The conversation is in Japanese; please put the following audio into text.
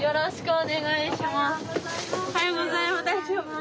おはようございます。